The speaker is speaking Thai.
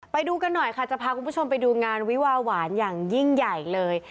ไปดูกันหน่อยค่ะจะพาคุณผู้ชมไปดูงานวิวาหวานอย่างยิ่งใหญ่เลย